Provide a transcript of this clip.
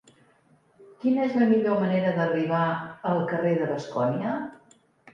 Quina és la millor manera d'arribar al carrer de Bascònia?